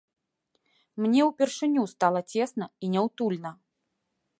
Мне ўпершыню стала цесна і няўтульна.